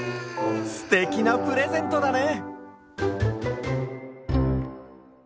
すてきなプレゼントだね！